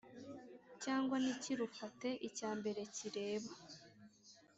cyangwa ntikirufate Icya mbere kireba